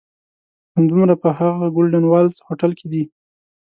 همدومره په هغه "ګولډن والز" هوټل کې دي.